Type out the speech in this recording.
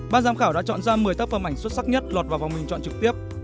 ban giám khảo đã chọn ra một mươi tác phẩm ảnh xuất sắc nhất lọt vào vòng bình chọn trực tiếp